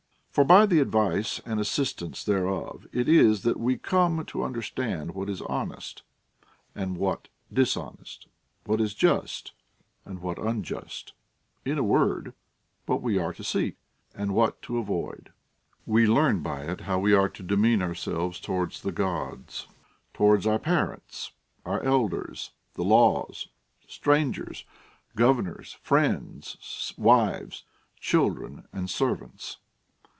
For by the advice and assistance thereof it is that we come to under stand what is honest, and what dishonest ; what is just, and what uujust ; in a word, what we are to seek, and what to avoid. AVe learn by it how we are to demean ourselves towards the Gods, towards our parents, our elders, the laws, strangers, governors, friends, wives, children, and servants.